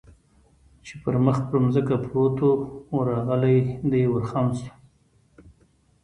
چې پر مخ پر ځمکه پروت و، ورغلی، دی ور خم شو.